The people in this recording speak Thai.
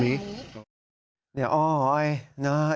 ตอนแรกมันจะเอาสตางค์นี้